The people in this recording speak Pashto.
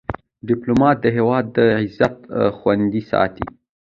ډيپلومات د هیواد عزت خوندي ساتي.